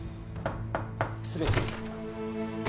失礼します。